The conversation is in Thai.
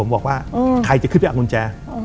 ผมบอกว่าใครจะขึ้นไปเอากุญแจ